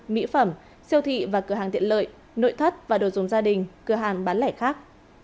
mỹ phẩm siêu thị và cửa hàng tiện lợi nội thất và đồ dùng gia đình cửa hàng bán lẻ khác